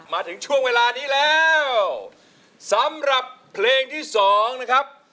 มาถึงช่วงเวลานี้แล้วสำหรับเพลงที่สองนะครับ